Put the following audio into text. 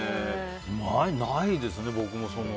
ないですね、僕も。